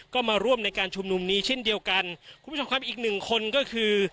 ก็มาร่วมในการชุมนุมนี้เช่นเดียวกันคุณผู้ชมครับอีกหนึ่งคนก็คือ